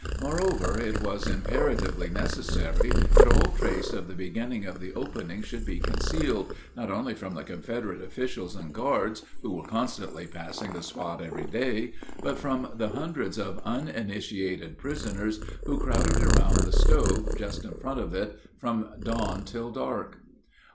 Moreover, it was imperatively necessary that all trace of the beginning of the opening should be concealed, not only from the Confederate officials and guards, who were constantly passing the spot every day, but from the hundreds of uninitiated prisoners who crowded around the stove just in front of it from dawn till dark.